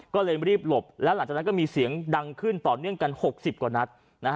ก็เลยรีบหลบแล้วหลังจากนั้นก็มีเสียงดังขึ้นต่อเนื่องกัน๖๐กว่านัด